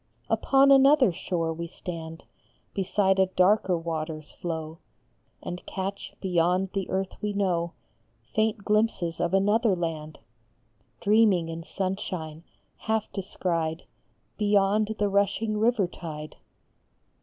Upon another shore we stand Beside a darker water s flow, And catch beyond the earth we know 126 THE TWO SHORES. Faint glimpses of another land Dreaming in sunshine, half descried Beyond the rushing river tide.